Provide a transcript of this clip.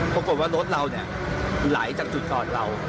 ปรากฏว่ารถเราเนี่ยหลายจากจุดจอดเรา